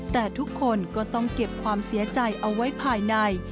แต่ทุกคนก็ต้องเก็บความเสียใจเอาไว้ภายใน